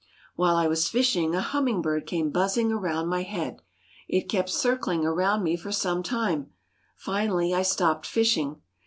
While I was fishing a hummingbird came buzzing around my head. It kept circling around me for some time. Finally I stopped fishing.